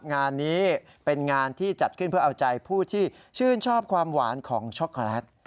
งานนี้เป็นงานที่จัดขึ้นเพื่อเอาใจผู้ที่ชื่นชอบความหวานของช็อกโกแลต